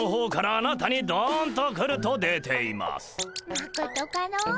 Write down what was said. まことかの？